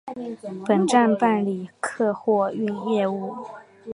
本站办理客货运业务。